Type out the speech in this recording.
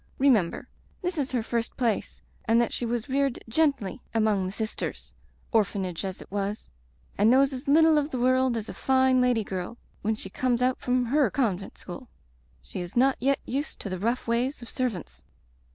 Remember this is her first place and that she was reared gently among the sisters, orphanage as it was, and knows as little of Digitized by LjOOQ IC Interventions the world as a fine lady girl when she comes out from her convent school. She is not yet used to the rough ways of servants.